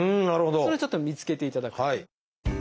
それちょっと見つけていただくと。